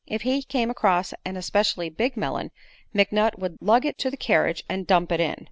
If he came across an especially big melon McNutt would lug it to the carriage and dump it in.